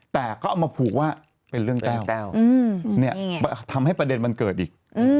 แต่ก็เอามาผูกว่าเป็นเรื่องแต้วแต้วทำให้ประเด็นมันเกิดอีก